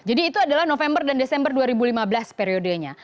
jadi itu adalah november dan desember dua ribu lima belas periodenya